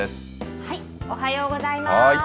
おはようございます。